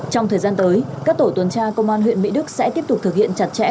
trong thời gian tới các tổ tuần tra công an huyện mỹ đức sẽ tiếp tục thực hiện chặt chẽ